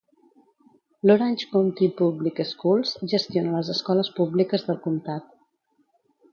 L'Orange County Public Schools gestiona les escoles públiques del comtat.